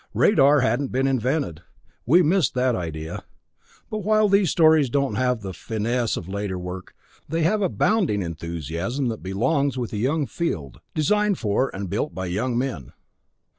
Radar hadn't been invented; we missed that idea. But while these stories don't have the finesse of later work they have a bounding enthusiasm that belongs with a young field, designed for and built by young men.